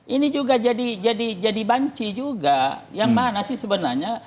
ini juga jadi banci juga yang mana sih sebenarnya